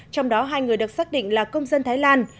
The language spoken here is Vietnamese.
trong đó hai người được xác định là công dân thái lan